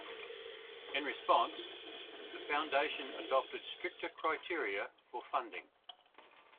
In response, the foundation adopted stricter criteria for funding.